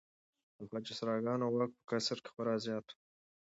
د خواجه سراګانو واک په قصر کې خورا زیات و.